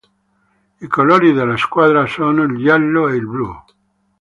I colori della squadra sono il giallo e il blu.